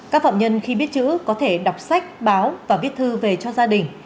các phạm nhân khi biết chữ có thể đọc sách báo và viết thư về cho gia đình